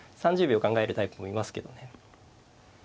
３０秒考えるタイプもいますけどね。